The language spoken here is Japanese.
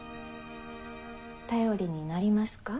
頼りになりますか？